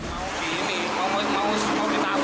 mau di ini mau ditabrak lah